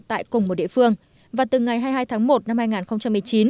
tại cùng một địa phương và từ ngày hai mươi hai tháng một năm hai nghìn một mươi chín